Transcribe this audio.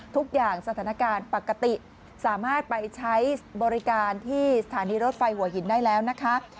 ทุกอย่างสถานการณ์ปกติสามารถไปใช้บริการที่สถานีรถไฟหัวหินได้แล้วนะคะ